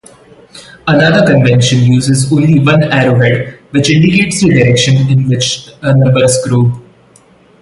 Another convention uses only one arrowhead which indicates the direction in which numbers grow.